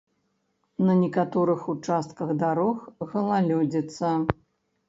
На некаторых участках дарог галалёдзіца.